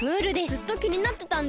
ずっときになってたんです。